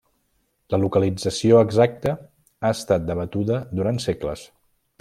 La localització exacta ha estat debatuda durant segles.